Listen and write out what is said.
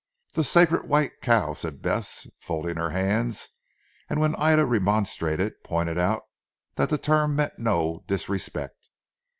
"The Sacred White Cow," said Bess folding her hands, and when Ida remonstrated pointed out that the term meant no disrespect.